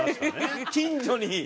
近所に。